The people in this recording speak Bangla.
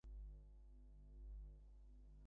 এখন কী করবে?